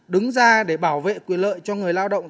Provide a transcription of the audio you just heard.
đứng ra để bảo vệ quyền lợi cho người lao động